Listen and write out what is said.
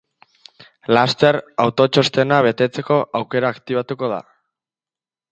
Laster, autotxostena betetzeko aukera aktibatuko da.